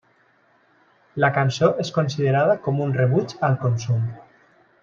La cançó és considerada com un rebuig al consum.